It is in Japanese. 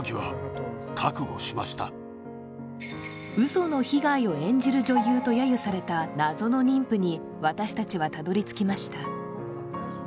嘘の被害を演じる女優とやゆされた謎の妊婦に私たちはたどり着きました。